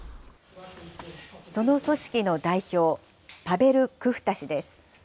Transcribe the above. その組織の代表、パベル・クフタ氏です。